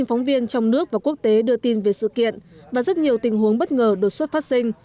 bốn phóng viên trong nước và quốc tế đưa tin về sự kiện và rất nhiều tình huống bất ngờ đột xuất phát sinh